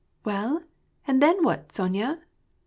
" Well, and then what, Sonya